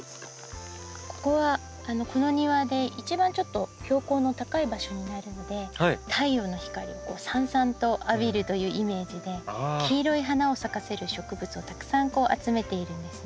ここはこの庭で一番ちょっと標高の高い場所になるので太陽の光をさんさんと浴びるというイメージで黄色い花を咲かせる植物をたくさん集めているんですね。